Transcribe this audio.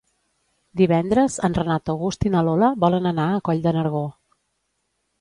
Divendres en Renat August i na Lola volen anar a Coll de Nargó.